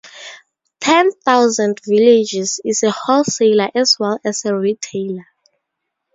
Ten Thousand Villages is a wholesaler as well as a retailer.